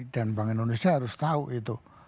dan bank indonesia harus tahu itu